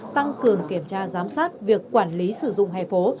tăng cường kiểm tra giám sát việc quản lý sử dụng hè phố